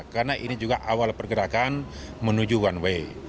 karena ini juga awal pergerakan menuju one way